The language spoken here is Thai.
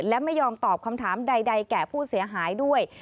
และไม่ยอมตอบคำถามใดแก่ผู้เสียหายด้วย